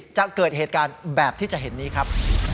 จะเกิดเหตุการณ์แบบที่จะเห็นนี้ครับ